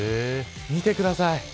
見てください。